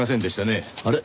あれ？